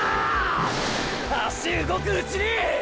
脚動くうちにィ！！